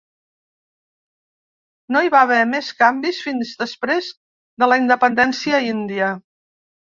No hi va haver més canvis fins després de la independència índia.